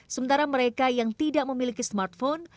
sementara mereka yang tidak memiliki smartphone